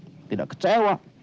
bagaimana saya tidak kecewa